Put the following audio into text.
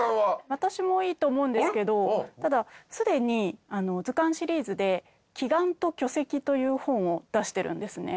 私もいいと思うんですけどただすでに『図鑑シリーズ』で『奇岩と巨石』という本を出してるんですね。